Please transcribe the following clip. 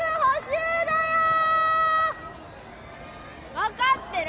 分かってる！